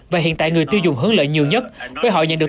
và hiện tại người tiêu dùng hướng lợi nhiều nhất với họ nhận được